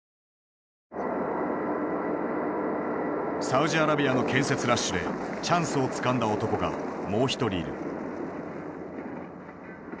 サウジアラビアの建設ラッシュでチャンスをつかんだ男がもう一人いる。